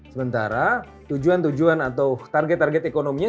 sementara tujuan tujuan atau target target ekonominya